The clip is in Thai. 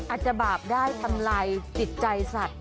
อาจจะบาปได้ทำลายจิตใจสัตว